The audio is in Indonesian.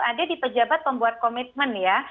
ada di pejabat pembuat komitmen ya